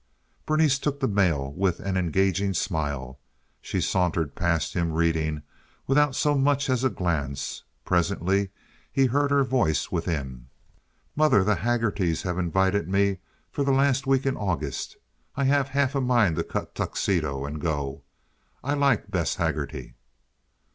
Berenice took the mail with an engaging smile. She sauntered past him reading, without so much as a glance. Presently he heard her voice within. "Mother, the Haggertys have invited me for the last week in August. I have half a mind to cut Tuxedo and go. I like Bess Haggerty."